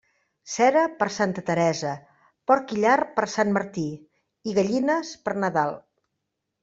Cera per Santa Teresa, porc i llard per Sant Martí i gallines per Nadal.